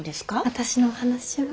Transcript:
私の話は。